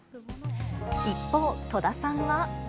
一方、戸田さんは。